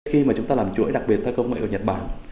khi mà chúng ta làm chuỗi đặc biệt theo công nghệ ở nhật bản